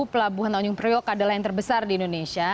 pelabuhan tanjung priok adalah yang terbesar di indonesia